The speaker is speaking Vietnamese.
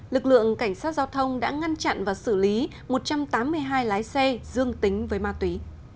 lực lượng cảnh sát giao thông đã ngăn chặn và xử lý một trăm tám mươi hai lái xe dương tính với ma túy